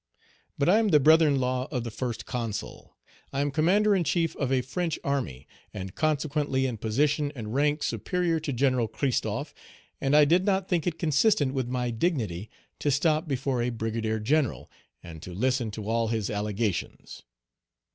"But I am the brother in law of the First Consul; I am Commander in chief of a French army, and consequently in position and rank superior to General Christophe, and I did not think it consistent with my dignity to stop before a brigadier general, and to listen to all his allegations."